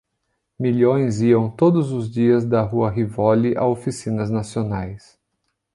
Milhões iam todos os dias da rua Rivoli a oficinas nacionais.